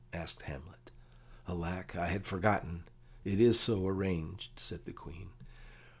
asked Hamlet. "Alack, I had forgotten; it is so arranged," said the Queen.